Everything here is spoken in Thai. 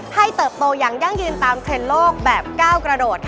เติบโตอย่างยั่งยืนตามเทรนด์โลกแบบก้าวกระโดด